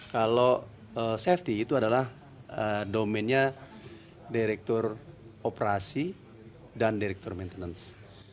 kalau safety itu adalah domennya direktur operasi dan direktur maintenance